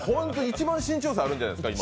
一番身長差あるんじゃないですか？